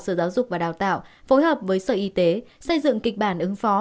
sở giáo dục và đào tạo phối hợp với sở y tế xây dựng kịch bản ứng phó